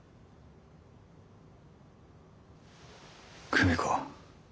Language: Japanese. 久美子